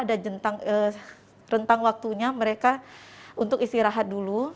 dan rentang waktunya mereka untuk istirahat dulu